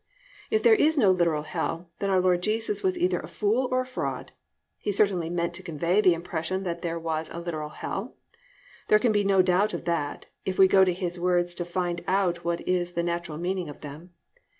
If there is no literal hell, then our Lord Jesus was either a fool or a fraud. He certainly meant to convey the impression that there was a literal hell. There can be no doubt of that, if we go to His words to find out what is the natural meaning of them.